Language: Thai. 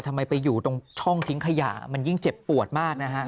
ทำไมไปอยู่ตรงช่องทิ้งขยะมันยิ่งเจ็บปวดมากนะฮะ